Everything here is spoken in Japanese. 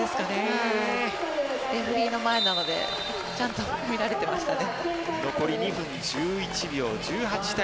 レフェリーの前なのでちゃんと見られてましたね。